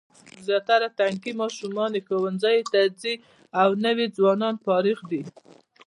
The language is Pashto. زیاتره تنکي ماشومان یې ښوونځیو ته ځي او نوي ځوانان فارغ دي.